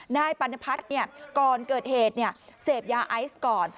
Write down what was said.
นายปัณพัฒน์ก่อนเกิดเหตุเสพยาไอซ์ก่อน